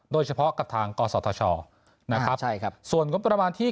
โดยเฉพาะกับทางกศักดิ์ฐศนะครับส่วนงบประมาณที่